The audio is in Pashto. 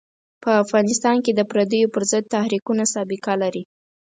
په افغانستان کې د پردیو پر ضد تحریکونه سابقه لري.